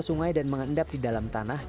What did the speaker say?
salah satu halnya